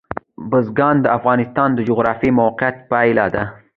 بزګان د افغانستان د جغرافیایي موقیعت پایله ده.